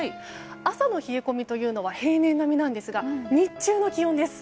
朝の冷え込みは平年並みなんですが日中の気温です。